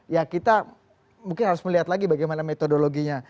ya kita mungkin harus melihat lagi bagaimana metodologinya